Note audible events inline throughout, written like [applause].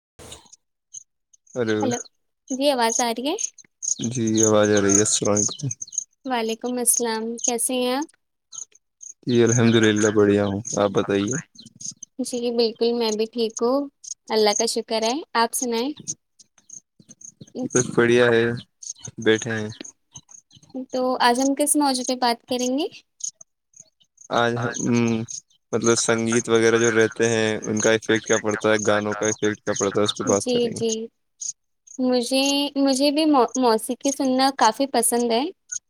[inaudible] Hello جی آواز ساری ہے جی آواز آ رہی ہے السلام علیکم وعلیکم السلام کیسے ہیں آپ جی الحمد للہ بڑھیا ہوں آپ بتائیے جی بالکل میں بھی ٹھیک ہو اللہ کا شکر ہے آپ سنیں ا کت فڑی ہے بیٹھے ہیں تو آج ہم کس موضع پہ بات کریں گے آ ہ مطلب سنگیت وغیرہ جو رہتے ہیں ان کا افیکٹ کیا پڑتا ہے گانوں کا افیکٹ کیا پڑتا ہے اس سے بات جی کریں گے جی مجھے مجھے بھی موسیقی سننا کافی پسند ہے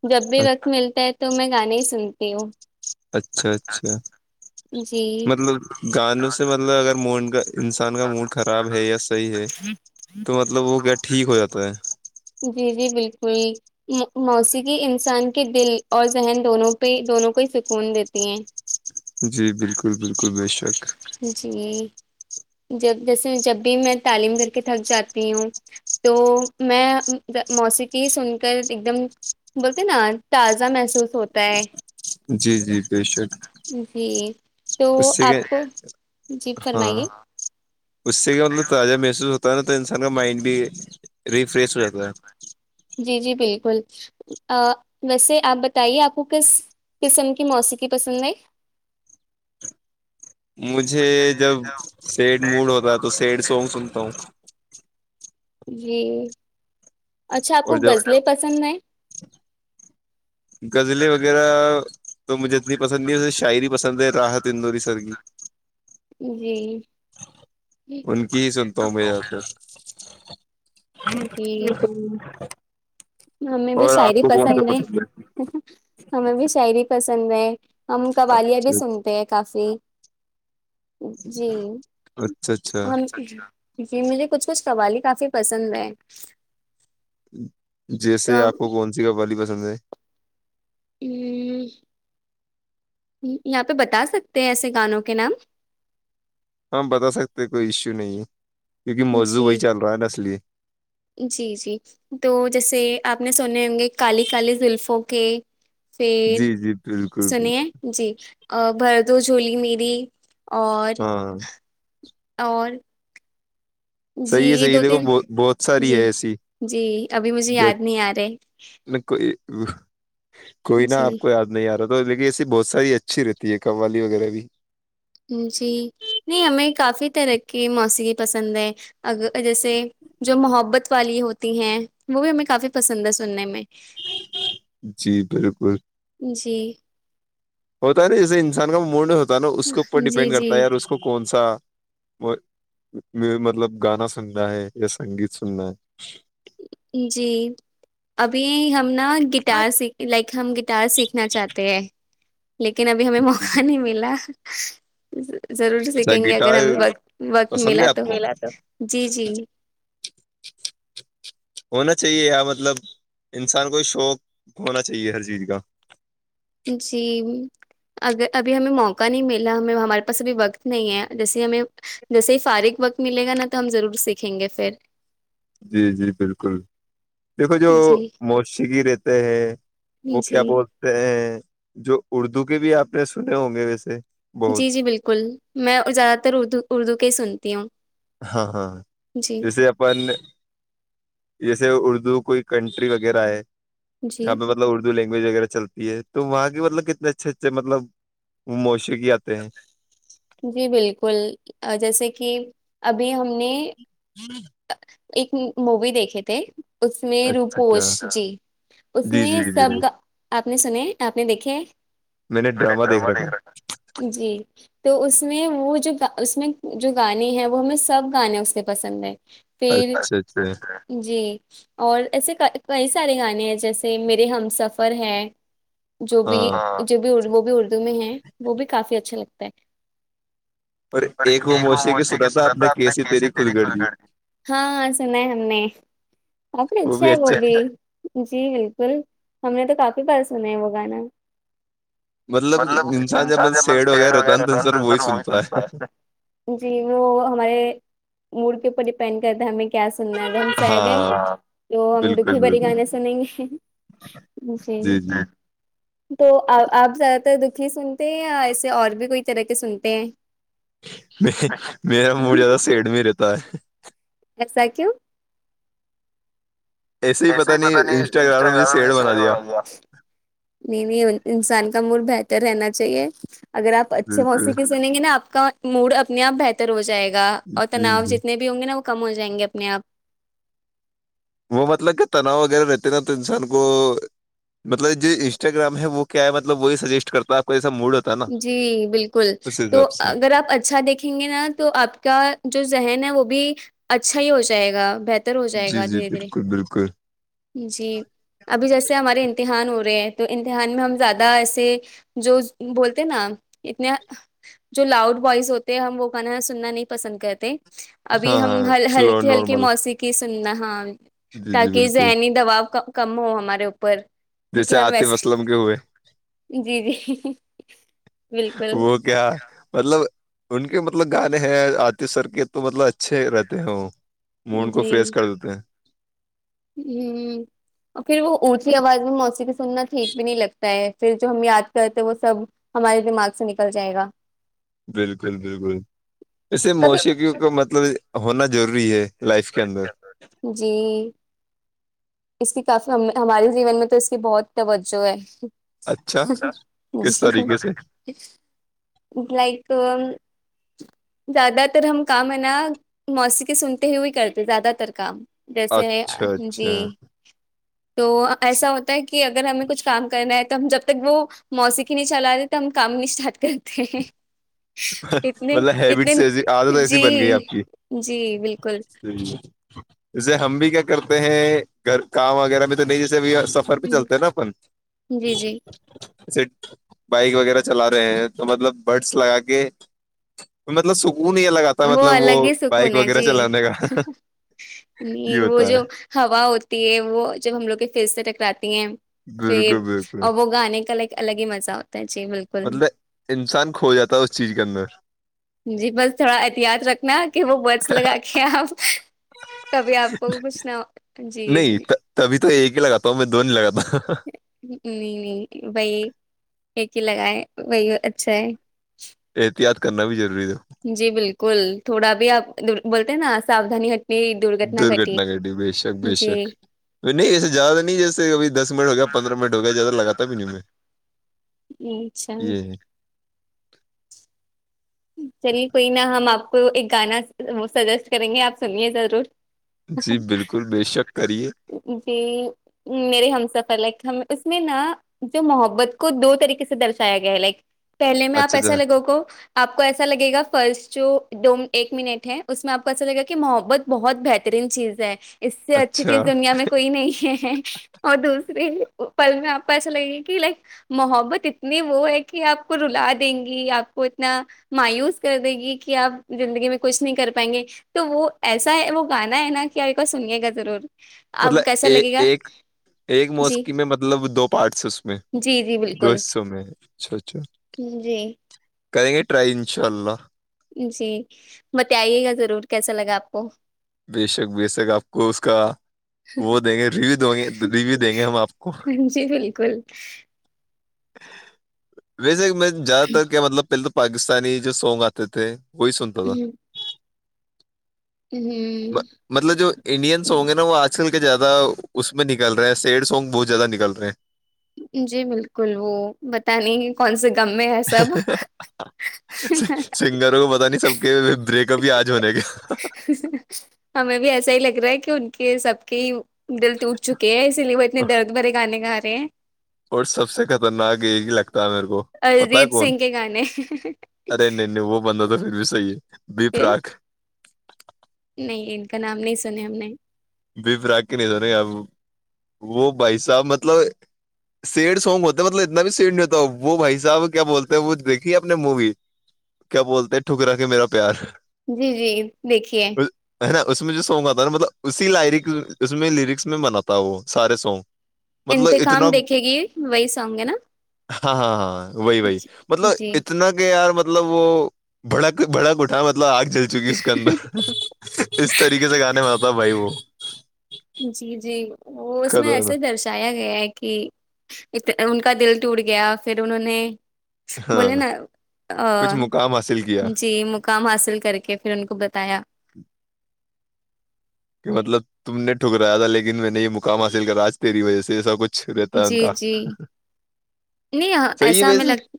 جب بھی وقت ملتا ہے تو میں گانے ہی سنتی کہ اچھا اچھا جی مطلب گانوں سے مطلب اگر مون کا انسان کا موڈ خراب ہے یا صحیح ہے تو مطلب وہ کیا ٹھیک ہو جاتا ہے جی جی موسیقی انسان کے دل اور ذہن دونوں پہ دونوں کو ہی سکون دیتی ہیں جی بالکل بالکل بے شک جی جب جیسے جب بھی میں تعلیم کر کے تھک جاتی ہوں تو میں موسیقی سن کر ایک دم بولتے نا تازہ محسوس ہوتا ہے جی جی بے شک جی تو اس سے کہ آپ کو جی ہاں فرمائیے اس سے کیا مطلب تازہ محسوس ہوتا ہےا تو انسان کا مائنڈ بھی جچ ریفریش ہو جات ہے جی جی بالکل ویسے آپ بتائیے آپ کو کس قسم کی موسیقی پسند ہے مجھے جب سیڈ موڈ ہوتا تو سیڈ سانگ سنتا ہوں [inaudible] جی اچھا آپ اور کو جب غزلیں پسند ہیں غزلیں وغیرہ تو مجھے اتنی پسند نہیں ہے اسے شاعری پسند ہے راحت اندوری سر کی جی ان کی ہی سنتا ہوں میں اکثر جی ٹیک [inaudible] ہمیں بھی شاعری پسند ہے ہمیں بھی شاعری پسند ہے اچ [inaudible] ہم ہے قوالیاں بھی اچھا سنتے ہیں کافی جی اچھا اچھا ہم جی مجھے کچھ کچھ قوالی کافی پسند ہیں ہ [inaudible] جیسے آپ کو کون سی قوالی پسند ہے پسند ہے ہ یہاں پہ بتا سکتے ہیں ایسے گانوں کے نام ہاں بتا سکتے ہے کوئی ایشو نہیں کیونکہ موضو جی وہی چل رہا ہے نا اسلیے جی جی تو جیسے آپ نے سنے ہونگے کالی کالی زلفوں کے پھر جی جی بالکل بالکل سنیے جی بھردو جھولی میری اور ہاں اور جی صحیح ہے یہ صحیح ہے دو دیکھو تین بہت بہت ساری جی ہے ایسی جی ابھی مجھے یاد نہیں آ رہے واہ [inaudible] کوئی نا جی آپ کو یاد نہیں آ رہا دیکھیے ایسی بہت ساری اچھی رہتی ہے قوالی وغیرہ بھی جی نہیں ہمیں کافی طرح کے موسیقی پسند ہے اگر جیسے جو محبت والی ہوتی ہیں وہ بھی ہمیں کافی پسند ہے سننے میں جی بالکل جی ہوتا ہے نا جیسے انسان کا موڈ ہوتا نا اس کے اوپر جی ڈپینڈ کرتا ہے اور جی اس کون س سا مطلب گانا سننا ہے یا سنگیت سننا ہے جی ابھی ہم نا گٹار سیکھ لائک ہم گٹار سیکھنا چاہتے ہے لیکن ابھی ہمیں ہے موقع نہیں ملا ضرور اچھا سیکھیں گے اگر گٹار ہمیں وقت وقت پسند ہے ملا آپ تو کو جی جی ہونا چاہیے ار مطلب انسان کو شوق ہونا چاہیے ہر چیز کا جی اگر ابھی ہمیں موقع نہیں ملا ہمیں ہمارے پاس ابھی وقت نہیں ہے جیسے ہمیں جیسے ہی فارغ وقت ملے گا نا تو ہم ضرور سیکھیں گے پھر جی جی بالکل دیکھو جو جی موسیقی رہتے ہیں جی وہ کیا بولتے ہیں جو اردو بھی آپ نے سنے ہوں گے ویسے جی بہت جی بالکل میں زیادہ تر اردو اردو کے ہی سن تی ہاں ہاں جیسے اپن جیسے اردو جو کوئی کنٹری وغیرہ ہے جی جہاںہ مطلب اردو لے چلتی ہے تو وہاں م کتنے اچھے اچھے مبوش جی بالکل جیسے کہ ابھی ہم نے [unintelligible] ایک مووی دیکھے تھے اس میں اچھا روپوش اچھا جی اس جی میں جی جی سب بالکل کا آپ آپ نے سنے آپ نے دیکھے میں نے ڈرامہ دیکھ رکھا جی تو اس میں وہ جو اس میں جو گانے ہیں وہ ہمیں سب گانے اس سے پسند ہیں ہے۔ پھر اچھا اچھا جی اور ایسے کا کئی سارے گانے ہیں جیسے میرے ہم سفر ہے جو بھی ہاں جو بھی وہ بھی اردو میں ہے وہ بھی کافی اچھا لگتا ہے پ اور ایک وہ موشی کے سنا تھا اپنے کیسی تیری خھود گر جی ہاں سنا ہم نے آنی وہ اچھا بھی ہے بب جی بالکل ہم نے تو کافی بار سنا ہے وہ گانا مطلب انسان انان جب مطلب سیڈ ج وغیرہ رہتا ہے نا تو انسان وہی وغہتا ہے سنتا ہے جی وہ ہمارے مڑ کےوپر اسپینڈ کرتا ہمیں کیا سننا ہم شاید ہے ہاں تو ہم بالکل دکھی بھری بالکل گانے سنیں گے جی تو آپ زیادہ تر دکھی سنتے ہیں یا ایسے اور بھی کوئی طرح کے سنتے ہیں میرا موڈ زیادہ سیڈ میں رہتا ہے ایسکو ایسا ہی پتا نہیں انسٹاگرام نے سیڈ بنادیا انسان کا موڈ بہتر رہنا چاہیے اگر آپ اچھے بالکل موسیقی سن گے نا آپ کا موڈ اپنے آپ بہتر ہو جائے گا اور جی تناؤ جی جتنے بھی ہوں گے نا کم ہو جائیں گے اپنے آپ وہ مطلب کہ تناؤ وغیرہ رہتے نا تو انسان کو مطلب جو انسٹاگرام ہے وہ کیا ہے مطلب وہی سجیسٹ کرتا ہے آپ کو موڈ ہوتا ہے نا جی بالکل اس تو حساب سے اگر آپ اچھا دیکھیں گے نا تو آپ کا جو ذہن ہے وہ بھی اچھا ہی ہو جائے گا بتر بتر ہو جائے جی گا جی دھیرے بالکل بالکل دھیرے جی ابھی جیسے ہمارے امتحان ہو رہے ہیں تو امتحان میں ہم زیادہ ایسے جو بولتے ہیں نا اتنا جو لاؤڈ وائس ہوتے ہیں ہم وہ گانا سننا نہیں پسند کرتے ابھی ہاں ہم ہاں ہ سلو ہلکی ہلکی نارمل موسیقی سندہ ہاں جی جی تاک بالکل ذہنی دباؤ کا کم ہو ہمارے اوپر کیونکہ جیسے ہم عاطف اسلم کے ہوئے ویسے جی جی بالکل وہ کیا مطلب ان کے مطلب گانے ہیں آطف سر کے تو مطلب اچھے رہتے ہیں وہ موڈ کو جی فریس کر دیتے ہیں ہ پھر وہ اونچی آواز میں موسیقی سننا ٹھیک بھی نہیں لگتا ہے پھر جو ہم یاد کرتے وہ سب ہمارے دماغ سے نکل جائے گا بالکل بالکل ایسے کبھی موسیقیوں کا مطلب ہنا ضروری ہے لائف کے اندر جی اس کی کافی ہم ہمارے جیون میں تو اس کی بہت توجہ ہے اچھا کس جی طریقے سے لائک زیادہ تر ہم کام ہے نا موسیقی سن تو ہی ہی کرتے زیادہ تر کام جیسے اچھا جی اچھا تو ایسا ہوتا ہے کہ کہ اگر ہمیں کچھ کام کرنا ہے تو ہم جب تک وہ موسیقی نہیں چلاے تو ہم کام نہیں اسٹارٹ کرتے ہیں اتنے مطلب اتنے ہیبٹس ایسی عادت ایسی جی بن گئی آپ کی جی بالکل جی جی جیسے ہم بھی کیا کرتے ہیں گھر کام وغیرہ بھی تو نہیں جیسے سفر بھی ہم، چلتے نا اپن جی جی جے بائک وغیرہ چلا رہے ہیں تو مطلب بڈس لگا کے مطلب س وہ الگ ہی سکون ہے جی چلانے کا یہ نہیں وہ ہوتا ہے جو ہوا ہوتی ہے وہ جب ہم لوگ کے پھر سے ٹکراتی ہیں بالکل پھر بالکل اور وہ گانے کا لائک الگ ہی مزہ ہوتا ہے جی بالکل مطلب انسان کھو جاتا ہے اس چیز کے اندر جی بس تھوڑا احتیاط رکھنا کہ وہ بڈس لگا کے آپ کبھی آپ کو کچھ نہ جی نہیں تبھی تو ایک ہی لاتا ہوں میں دو نہیں لگا نہیں نہیں بی ایک ہی لگائے وہی اچھا ہے احتیاط کرنا بھی ضروری ہے جی بالکل تھوڑا بھی آپ بولتے ہیں نا ساودھانی گھٹنی گھٹی درگھٹنا گٹی بے شک بے جی شک نہیں ایسے زیادہ نہیں جیس [inaudible] دس منٹ ہو گیا پندرہ منٹ ہو گیا زیادہ لگا ہے بھی نہیں میں اچھا یہ [inaudible] چلیے کوئی نا ہم آپ کو ایک گانا سجیسٹ کریں گے آپ سنیے ضرور جی بالکل بے شک کریے جی میرے ہم سفر لائک ہم اس میں نا جو محبت کو دو طریقے سے درشایا گیا ہے لائک پہلے میں آپ اچھا ایسا اچھا لگو گو ایسا لگے گا فرسٹ جو دو ایک منٹ ہے اس میں آپ کو ایسا لگےا کہ محبت بہت بہترین چیز ہے اس سے اچھی اچھا چیز دنیا میں کوئی نہیں ہے اورہت دور پل میں آپ کو ایسا لگے گا کہ لائک محبت اتنی وہ ہے کہ آپ کو رلا دیں گی آپ کو نہ مایوس کر دے گی کہ آپ زندگی میں کچھ نہیں کر پائیں گے تو وہ ایسا ہے وہ گانا ہے نا کہ آپ کو سنیے گا ضرور آپ کو مطلب کیسا ایک لگے گا ایک ایک جی موسیقی میں مطلب دو پارٹس ہیں اس میں جی جی دو بالکل حصوں میں اچھا اچھا جی کرے گے ٹری انشاء اللہ جی بتائیے گا ضرور کیسا لگا آپ کو بےشک بشک آپ کو اس کا وہ دیں گے ریویو د گے ریویو دیں گے ہم آپ کو جی بالکل ویسے میں زیادہ تر کیا مطلب پہلے تو پاکستانی جو سونگ آتے تھے وہی سن تا تھا ہ مطلب جو انڈین ہونگے نہ وہ آج کل زیادہ اس میں نکل رہے ہیں سیڈ سونگ بہت زیادہ نکل رہے ہیں جی بالکل وہ بت نہیںے کون سے دم میں ہے سب ہیں سنگروں کو پتا نہیں سب کے بریک اپ ہی آج ہونے کے ہمیں بھی ایسا ہی لگ رہا ہے کہ ان کہ سب کے ہی دل تو اٹھ چکے ہیں اسی لیے وہ اتنے درد مرے گانے گاے سے [unintelligible] اور سب سے خطرناک یہ ل میرے کو پتا ارجیت کون سنگھ کے گانے ارے نہیں نہیں وہ بندا تو پھر بھی چاہیے و پہ پرراک نہیں ان کا نام نہیں سنے ہم نے ب فراق کی نہیں س رہب وہ بھائی صاحب مطلب سیڈ سانگ ہوتا مطلب اتنا بھی سیڈ نہیں ہوتا وہ بھائی صاحب کیا بولتے ہیں وہ دیکھی اپ نے مووی کیا بولتے ٹھکرا کے میرا پیار جی جی دیکھیے اس- ہے نا اس مجھ سگات تھا مطب اسی لائرک اس میں لیرکس میں بناتا وہ سارے سانگ مطلب اتنا انتقام دیکھے گی وہی سانگ ہے نا ہاں ہاں ہاں ہ وہی وہی جی مطلب اتنا کہ یار مطلب وہ بڑک بڑک اٹات آگ جل چکی اس کے اندر اس طریقے سے گانے میں آپ آ وہ [unintelligible] جی جی وہ اس میں خدا نا ایسے درشایا گیا ہے کہ ان کا دل ٹوٹ گیا پھر انہوں نے بولے ہاں نا کچھ مقام حاصل کیا جی مقام حاصل کر کے پھر ان کو بتایا کہ مطلب تم نے ٹھکرایا تھا لیکن میں نے یہ مقام حاصل کرا آج تیری وجہ سے ایسا کچھ رہتا ہے ان جی کا جی نہیں صحیح ہے ایسا ہمیں ویسے لگ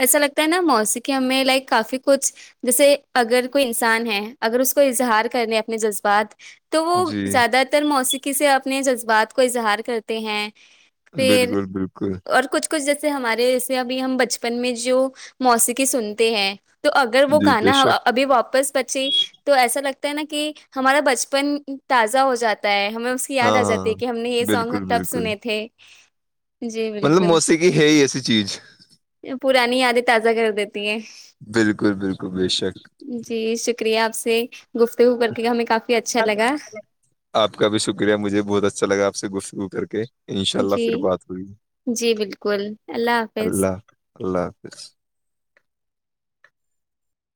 ایسا لگتا ہے نا موسیقی ہمیں لائک کافی کچھ جیسے اگر کوئی انسان ہے اگر اس کو اظہار کرنے اپنے جذبات تو وہ جی زیادہ تر موسیقی سے آپ اپنے جذبات کو اظہار کرتے ہیں پھر بالکل بالکل اور کچھ کچھ جیسے ہمارے جیسے ابھی ہم بچپن میں جو موسیقی سنتے ہیں تو اگر وہ جی بے گانا شک ابھی واپس بچے تو ایسا لگتا نا کہ ہمارا بچپن تازہ ہو جاتا ہے ہمیں اس کی یاد ہاں آ جاتی ہے ہاں کہ ہم نے یہ سانگ بالکل تب بالکل سنے تھ ہ [unintelligible] جی مطلب بالکل موسیقی ہے ہی ایسی چیز پرانی یادیں تازہ کر دیتے ہیں بالکل بالکل بے شک جی شکریہ آپ سے سے آپ کا بھی شکریہ مجھے بہت اچھا لگا آپ سے گفتگو کر کے انشاءاللہ جی پھر بات ہوئی جی بالکل اللہ حافظ اللہ اللہ حافظ